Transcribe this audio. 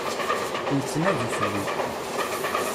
Yettnadi fell-i.